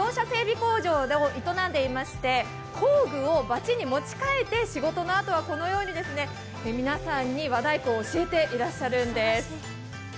工場を営んでいまして、工具をばちに持ち替えて仕事のあとは皆さんに和太鼓を教えていらっしゃるんです。